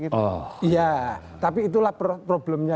iya tapi itulah problemnya